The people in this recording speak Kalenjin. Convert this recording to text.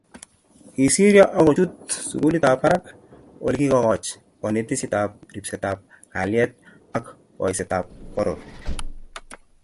kisiryo akochut sukulitap barak Ole kikikoch konetisietab ripsetab kalyet ak boisietab poror